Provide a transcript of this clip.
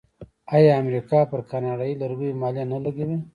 آیا امریکا پر کاناډایی لرګیو مالیه نه لګوي؟